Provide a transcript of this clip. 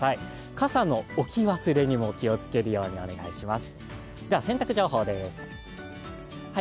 傘の置き忘れにも気をつけるようにお願いします。